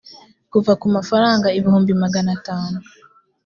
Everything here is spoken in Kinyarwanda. kuva ku mafaranga ibihumbi magana atanu